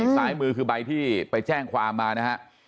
ซ้ายมือคือใบที่ไปแจ้งความมานะฮะ